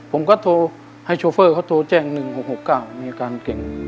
ผมก็โทรให้โชเฟอร์เขาโทรแจ้ง๑๖๖๙มีอาการเก่ง